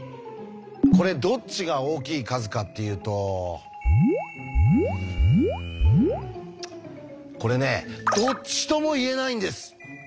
これどっちが大きい数かっていうとうんこれねどっちとも言えないんです！